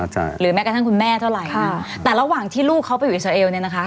ใช่หรือแม้กระทั่งคุณแม่เท่าไหร่ค่ะแต่ระหว่างที่ลูกเขาไปอยู่อิสราเอลเนี่ยนะคะ